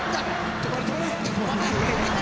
止まれ止まれ！